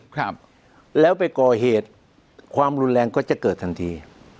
ครับแล้วไปก่อเหตุความรุนแรงก็จะเกิดทันที